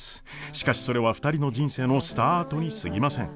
しかしそれは２人の人生のスタートにすぎません。